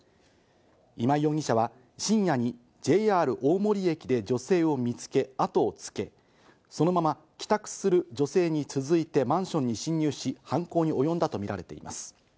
今井容疑者は深夜にＪＲ大森駅で女性を見つけ後をつけ、そのまま帰宅する女性に続いてマンションに侵入し、犯行に及んだとみられています。